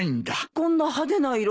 こんな派手な色。